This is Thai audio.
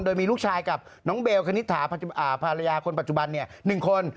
โดยมีลูกชายกับน้องเบลคณิตถาภรรยาคนปัจจุบัน๑คน